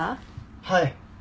はい。